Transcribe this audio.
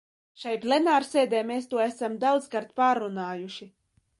Šeit plenārsēdē mēs to esam daudzkārt pārrunājuši.